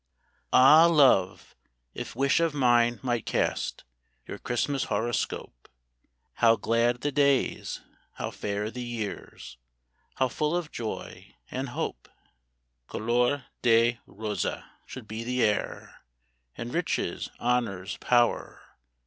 i|H, love ! if wish of mine might cast Your Christmas horoscope, How glad the days, how fair the years, How full of joy and hope ! Couleur de rose should be the air ! And riches, honors, power.